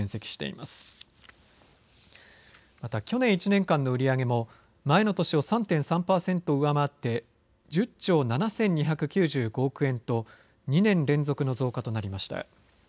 また去年１年間の売り上げも前の年を３．３％上回って１０兆７２９５億円と２年連続の増加となりました。